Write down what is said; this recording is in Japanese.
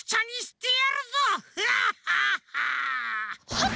はっ！